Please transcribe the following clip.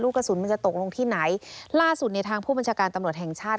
กระสุนมันจะตกลงที่ไหนล่าสุดในทางผู้บัญชาการตำรวจแห่งชาติ